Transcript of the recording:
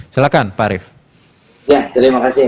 silahkan pak arief ya terima kasih